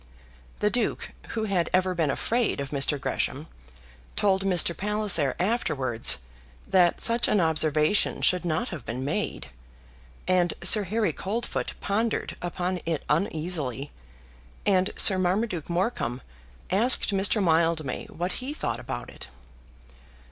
The Duke, who had. ever been afraid of Mr. Gresham, told Mr. Palliser afterwards that such an observation should not have been made; and Sir Harry Coldfoot pondered upon it uneasily, and Sir Marmaduke Morecombe asked Mr. Mildmay what he thought about it.